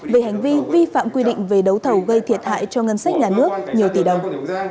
về hành vi vi phạm quy định về đấu thầu gây thiệt hại cho ngân sách nhà nước nhiều tỷ đồng